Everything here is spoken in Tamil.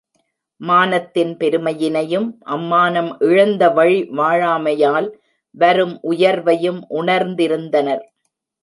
மானத்தின் பெருமையினையும் அம்மானம் இழந்தவழி வாழாமையால் வரும் உயர்வையும் உணர்ந்திருந்தனர்.